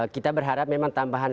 kita berharap memang tambahan